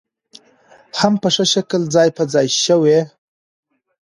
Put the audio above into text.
هم په ښه شکل ځاى په ځاى شوې